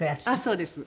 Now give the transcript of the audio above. そうです。